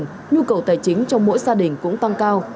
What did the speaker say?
nếu như như gần nhu cầu tài chính trong mỗi gia đình cũng tăng cao